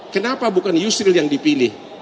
kenapa bukan yusril yang dipilih